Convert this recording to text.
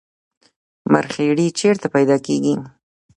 مرخیړي چیرته پیدا کیږي؟